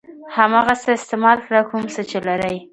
هماغه څه استعمال کړه کوم څه چې لرئ.